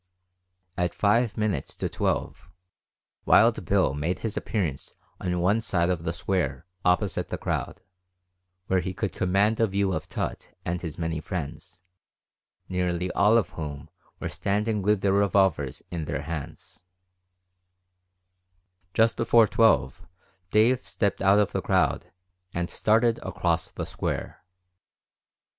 At five minutes to twelve Wild Bill made his appearance on one side of the square opposite the crowd, where he could command a view of Tutt and his many friends, nearly all of whom were standing with their revolvers in their hands. [Illustration: "Are you Satisfied."] Just before twelve Dave stepped out from the crowd and started across the square.